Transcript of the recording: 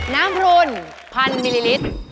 น้ำพุน๑๐๐๐มิลลิตร